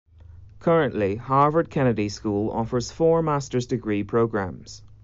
Currently, Harvard Kennedy School offers four master's degree programs.